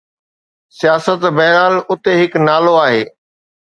سياست؛ بهرحال، اتي هڪ نالو آهي.